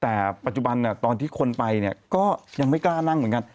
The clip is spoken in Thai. แต่ปัจจุบันตอนที่คนไปเนี่ยก็ยังไม่กล้านั่งเหมือนกัน